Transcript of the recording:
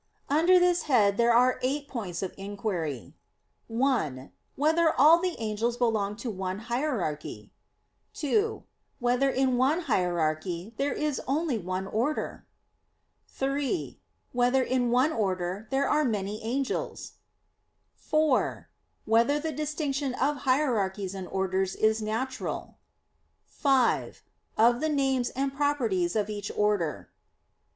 Under this head there are eight points of inquiry: (1) Whether all the angels belong to one hierarchy? (2) Whether in one hierarchy there is only one order? (3) Whether in one order there are many angels? (4) Whether the distinction of hierarchies and orders is natural? (5) Of the names and properties of each order.